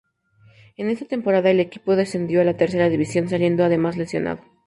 En esa temporada el equipo descendió a la tercera división, saliendo además lesionado.